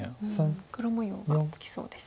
黒模様がつきそうです。